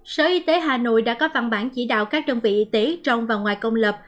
sở y tế hà nội đã có văn bản chỉ đạo các đơn vị y tế trong và ngoài công lập